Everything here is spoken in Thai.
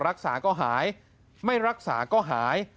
รักษาก็หายไม่รักษาก็หาย